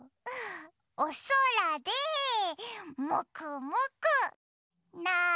おそらでもくもくなんだ？